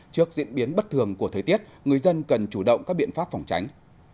trước diễn biến bất thường của thời tiết người dân cần chủ động các biện pháp phòng tránh